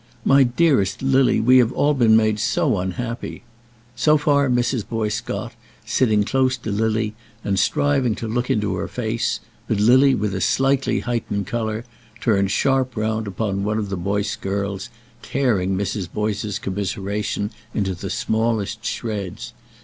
"My dearest Lily, we have all been made so unhappy " So far Mrs. Boyce got, sitting close to Lily and striving to look into her face; but Lily, with a slightly heightened colour, turned sharp round upon one of the Boyce girls, tearing Mrs. Boyce's commiseration into the smallest shreds.